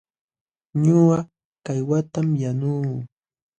Ñuqa kaywatam yanuu.